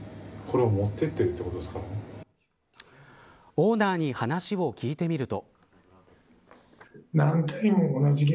オーナーに話を聞いてみると。